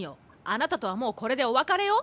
あなたとはもうこれでお別れよ。